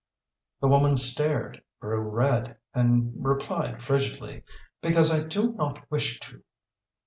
The woman stared, grew red, and replied frigidly: "Because I do not wish to."